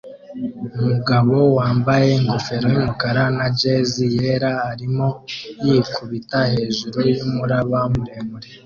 Umugabo wambaye ingofero yumukara na jersey yera arimo yikubita hejuru yumuraba muremure